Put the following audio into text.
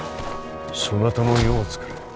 そなたの世をつくれ。